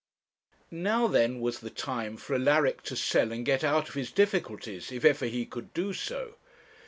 Now, then, was the time for Alaric to sell and get out of his difficulties if ever he could do so.